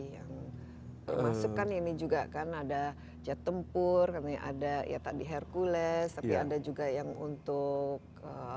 yang termasuk kan ini juga kan ada jet tempur ada ya tadi hercules tapi ada juga yang untuk